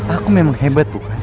aku memang hebat bukan